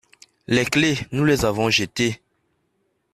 Les clefs, nous les avons jetées.